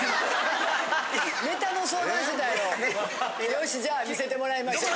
よしじゃあ見せてもらいましょう。